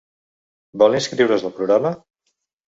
Vol inscriure's al programa?